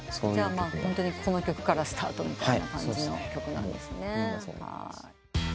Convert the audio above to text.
ホントにこの曲からスタートみたいな感じの曲なんですね。